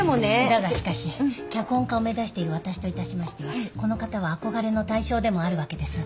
だがしかし脚本家を目指している私といたしましてはこの方は憧れの対象でもあるわけです。